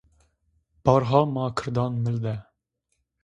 Bar ha ma kirdan mil de